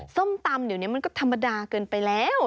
ส้มตำเดี๋ยวนี้มันก็ธรรมดาเกินไปแล้ว